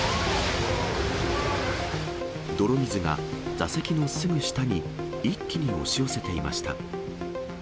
泥水が座席のすぐ下に一気に押し寄せていました。